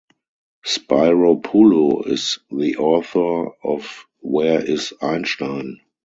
Spiropulu is the author of Where is Einstein?